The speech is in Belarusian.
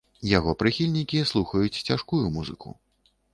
Яго прыхільнікі слухаюць цяжкую музыку.